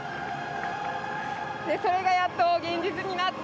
それがやっと現実になって。